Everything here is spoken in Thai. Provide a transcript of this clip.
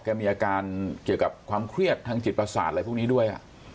มีอาการเกี่ยวกับความเครียดทางจิตประสาทอะไรพวกนี้ด้วย